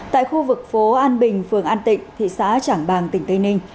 tại khu vực phố an bình phường an tịnh thị xã trảng bàng tỉnh tây ninh